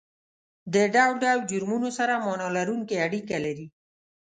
د ډول ډول جرمونو سره معنا لرونکې اړیکه لري